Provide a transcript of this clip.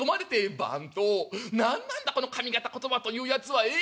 「番頭何なんだこの上方言葉というやつはえ？